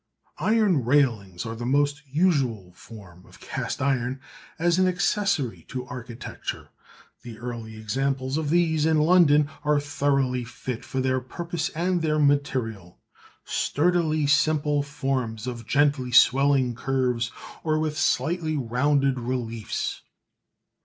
Iron railings are the most usual form of cast iron as an accessory to architecture; the earlier examples of these in London are thoroughly fit for their purpose and their material; sturdily simple forms of gently swelling curves, or with slightly rounded reliefs.